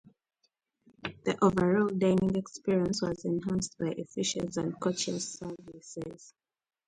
The overall dining experience was enhanced by the efficient and courteous service.